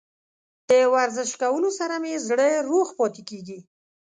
د ورزش کولو سره مې زړه روغ پاتې کیږي.